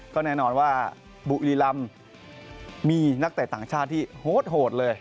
ก็แน่นอนว่าบุรีรำมีนักเตะต่างชาติที่โหดเลย